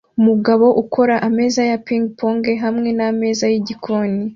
Umugabo ukora ameza ya ping-pong hamwe nameza yigikoni